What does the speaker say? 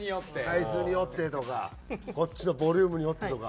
回数によってとかこっちのボリュームによってとか。